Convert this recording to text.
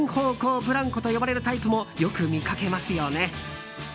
ブランコと呼ばれるタイプも、よく見かけますよね。